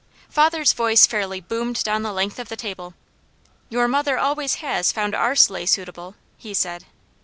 Father's voice fairly boomed down the length of the table. "Your mother always has found our sleigh suitable," he said.